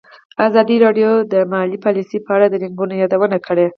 ازادي راډیو د مالي پالیسي په اړه د ننګونو یادونه کړې.